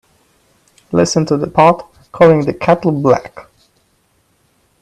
Listen to the pot calling the kettle black.